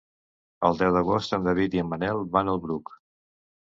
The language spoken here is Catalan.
El deu d'agost en David i en Manel van al Bruc.